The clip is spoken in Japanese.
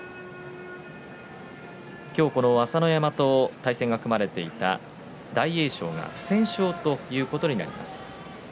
今日、朝乃山と対戦が組まれていた大栄翔が不戦勝ということになります。